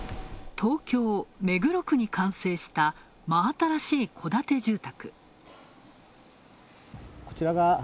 東京・目黒区に完成した真新しい戸建て住宅。